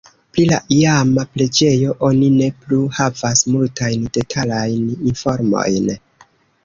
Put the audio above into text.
Pri la iama preĝejo oni ne plu havas multajn detalajn informojn.